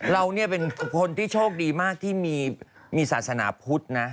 เราเนี่ยเป็นคนที่โชคดีมากที่มีศาสนาพุทธนะ